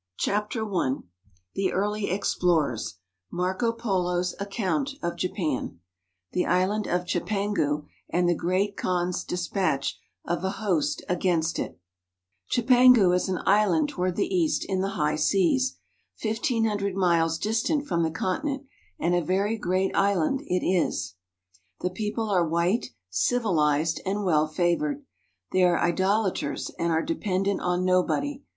Ernest Ingersoll, THE EARLY EXPLORERS Marco Polo's Account of Japan The Island of Chipangu, and the Great Kaan's Despatch of a Host Against It CHIPANGU is an island toward the east in the high seas, 1,500 miles distant from the continent; and a very great island it is. The people are white, civilized, and well favored. They are idolaters, and are dependent on nobody.